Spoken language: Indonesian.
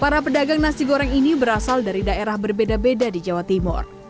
para pedagang nasi goreng ini berasal dari daerah berbeda beda di jawa timur